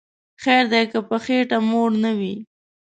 خیر دی که په خیټه موړ نه وی